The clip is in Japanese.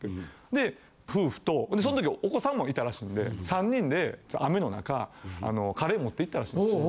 で夫婦とその時お子さんもいたらしいんで３人で雨の中カレー持って行ったらしいんですよ。